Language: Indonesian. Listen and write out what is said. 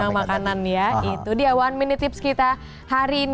makanan ya itu dia one minute tips kita hari ini